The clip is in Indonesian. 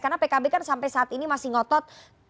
karena pkb kan sampai saat ini masih ngotot